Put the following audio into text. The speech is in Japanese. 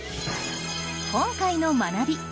今回の学び。